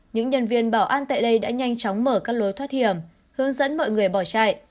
những nhân viên bảo an tại đây đã nhanh chóng mở các lối thoát hiểm hướng dẫn mọi người bỏ chạy